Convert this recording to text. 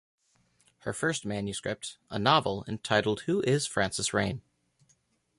Her first manuscript, a novel entitled Who is Frances Rain?